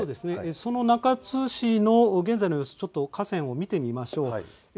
その中津市の現在の様子を河川を見てみましょう。